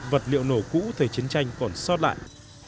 vật liệu nổ cũ thời chiến tranh còn sót lại